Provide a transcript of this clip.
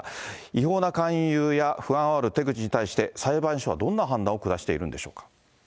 違法な勧誘や不安をあおる手口について、裁判所はどんな判断を下しているんでしょうか。